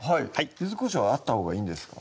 柚子こしょうはあったほうがいいんですか？